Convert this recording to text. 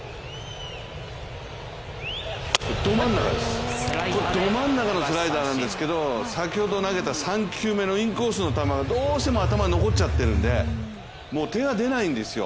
ど真ん中です、これど真ん中のスライダーなんですけど先ほど投げた３球目のインコースの球が、どうしても頭に残っちゃってるんでもう手が出ないんですよ。